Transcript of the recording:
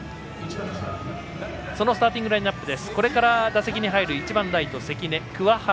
そのスターティングラインアップ。